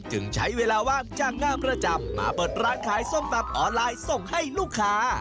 จึงใช้เวลาว่างจากงานประจำมาเปิดร้านขายส้มตำออนไลน์ส่งให้ลูกค้า